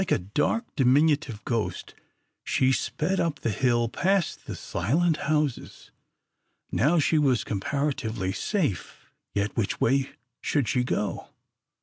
Like a dark, diminutive ghost she sped up the hill past the silent houses. Now she was comparatively safe, yet which way should she go?